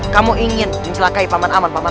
kamu ingin mencelakai paman aman paman